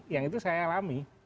yang itu saya alami